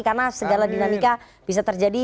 karena segala dinamika bisa terjadi